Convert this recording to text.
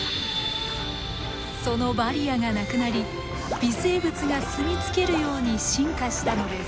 そのバリアがなくなり微生物が住み着けるように進化したのです。